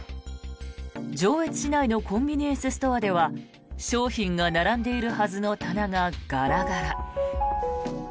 上越市内のコンビニエンスストアでは商品が並んでいるはずの棚がガラガラ。